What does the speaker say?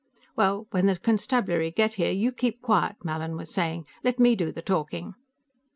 "Well, when the constabulary get here, you keep quiet," Mallin was saying. "Let me do the talking."